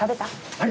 はい！